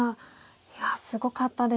いやすごかったですね。